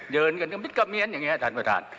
เดินกันมิดกระเมียนอย่างนี้ท่านประธาน